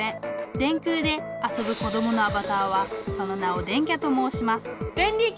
電空で遊ぶ子どものアバターはその名を「電キャ」ともうしますデンリキ！